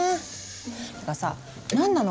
ってかさ何なの？